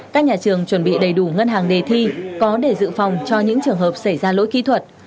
các nhà trường chuẩn bị đầy đủ ngân hàng đề thi có để dự phòng cho những trường hợp xảy ra lỗi kỹ thuật